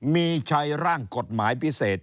มีใช้ร่างกฎหมายพิเศษ